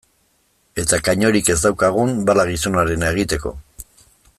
Eta kanoirik ez daukagun, bala gizonarena egiteko.